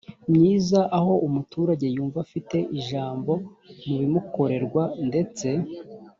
myiza aho umuturage yumva afite ijambo mu bimukorerwa ndetse